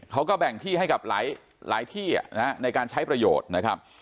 เขาก็แบ่งที่ให้กับหลายที่ในการใช้ประโยชน์นะครับ